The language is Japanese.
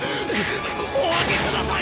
お開けください